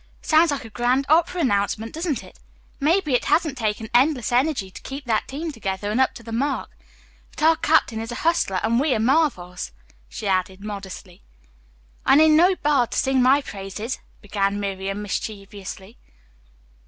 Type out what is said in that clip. Sounds like a grand opera announcement, doesn't it? Maybe it hasn't taken endless energy to keep that team together and up to the mark. But our captain is a hustler and we are marvels," she added modestly. "I need no bard to sing my praises," began Miriam mischievously.